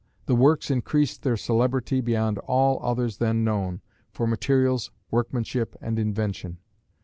The works increased their celebrity beyond all others then known, for materials, workmanship and invention.